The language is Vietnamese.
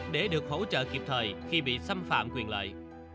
để được hỗ trợ kịp thời khi bị xâm phạm quyền lợi